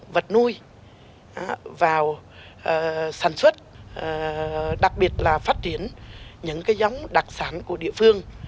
vật nuôi vào sản xuất đặc biệt là phát triển những cái giống đặc sản của địa phương